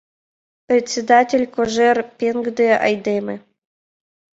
Председатель Кожер пеҥгыде айдеме.